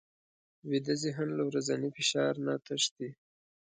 ویده ذهن له ورځني فشار نه تښتي